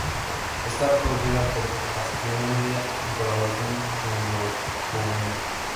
Está producida por Atresmedia, en colaboración con Globomedia.